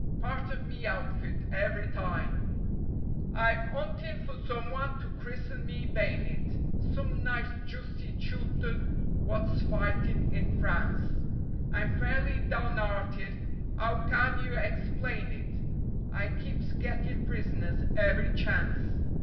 Part of me outfit every time. I'm 'untin' for someone to christen me bay'nit, Some nice juicy Chewton wot's fightin' in France; I'm fairly down 'earted 'ow CAN yer explain it? I keeps gettin' prisoners every chance.